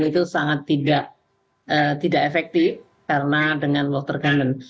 itu sangat tidak efektif karena dengan water cannon